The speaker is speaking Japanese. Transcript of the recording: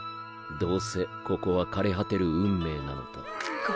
どうせここは枯れ果てる運命なのだ。